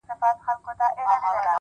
هوډ د وېرې تر سیوري هاخوا ځي’